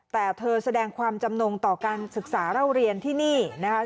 แต่เธอแสดงความจำนงต่อการศึกษาเล่าเรียนที่นี่นะคะ